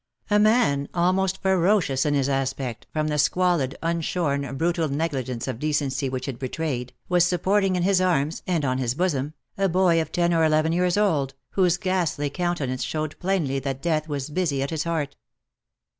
A man, almost ferocious in his aspect, from the squalid, unshorn, brutal negligence of decency which it betrayed, was supporting in his arms, and on his bosom, a boy of ten or eleven years old, whose ghastly countenance showed plainly that death was busy at his heart.